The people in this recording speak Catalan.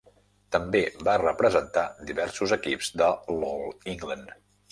També va representar diversos equips de l'All-England.